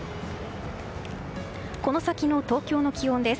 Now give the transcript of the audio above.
この先の東京の気温です。